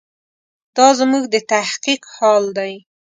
دا زموږ د تحقیق حال دی.